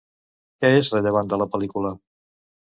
Què és rellevant de la pel·lícula?